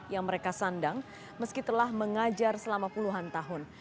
yang mereka sandang meski telah mengajar selama puluhan tahun